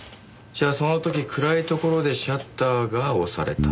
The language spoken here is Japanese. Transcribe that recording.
じゃあその時暗いところでシャッターが押された。